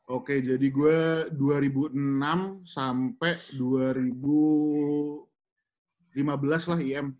oke jadi gue dua ribu enam sampai dua ribu lima belas lah im